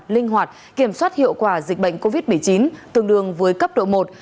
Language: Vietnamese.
linh hoạt kiểm soát hiệu quả dịch bệnh covid một mươi chín tương đương với cấp độ một